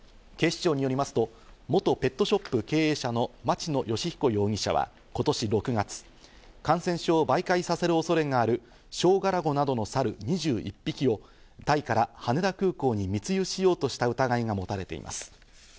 警視庁によりますと、元ペットショップ経営者の町野義彦容疑者は今年６月、感染症を媒介させる恐れがあるショウガラゴなどのサル２１匹をタイから羽田空港に密輸しようとした疑いが持たれています。